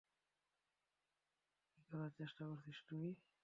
কী করার চেষ্টা করছিস তুই?